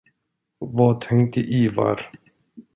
Vad tänkte Ivar?